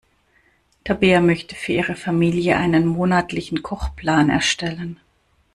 Tabea möchte für ihre Familie einen monatlichen Kochplan erstellen.